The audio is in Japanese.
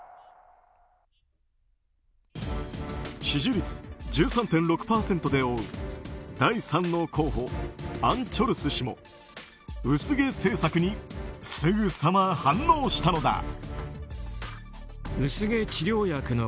支持率１３．６％で追う第３の候補アン・チョルス氏も薄毛政策にすぐさま反応したのだ。